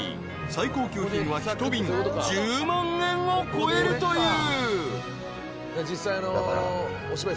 ［最高級品は一瓶１０万円を超えるという］